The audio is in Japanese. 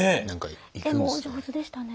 絵もお上手でしたね。